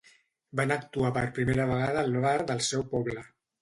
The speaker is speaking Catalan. Van actuar per primera vegada al bar del seu poble.